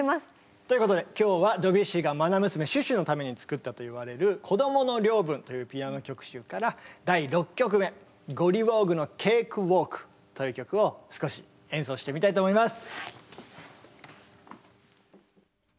ということで今日はドビュッシーが愛娘シュシュのために作ったといわれる「こどもの領分」というピアノ曲集から第６曲目「ゴリウォーグのケークウォーク」という曲を少し演奏してみたいと思います。